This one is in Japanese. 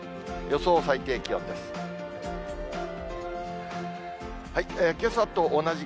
予想最低気温です。